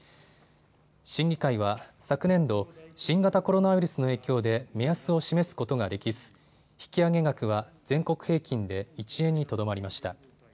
審議会は昨年度、新型コロナウイルスの影響で目安を示すことができず引き上げ額は全国平均で１円にとどまりました。